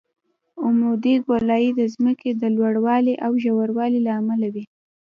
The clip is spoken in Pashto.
عمودي ګولایي د ځمکې د لوړوالي او ژوروالي له امله وي